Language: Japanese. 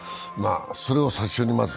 それを最初にまず。